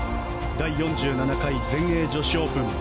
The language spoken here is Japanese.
第４７回全英女子オープン。